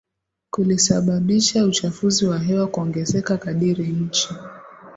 kulisababisha uchafuzi wa hewa kuongezeka kadiri nchi